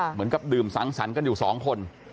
เหมือนกับดื่มสังสรรค์กันอยู่สองคน